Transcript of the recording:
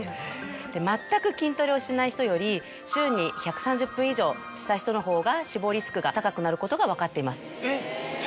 全く筋トレをしない人より週に１３０分以上した人の方が死亡リスクが高くなることが分かっています。